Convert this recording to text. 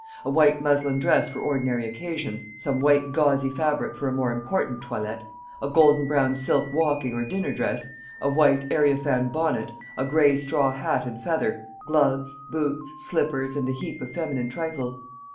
A white muslin dress for ordinary occasions, some white gauzy fabric for a more important toilette, a golden brown silk walking or dinner dress, a white areophane bonnet, a gray straw hat and feather, gloves, boots, slippers, and a heap of feminine trifles.